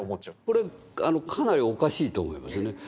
これかなりおかしいと思いますね。